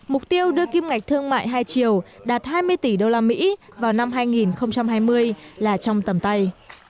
mục tiêu đưa kim ngạch thương mại hai triệu đạt hai mươi tỷ usd vào năm hai nghìn hai mươi là trong tầm tay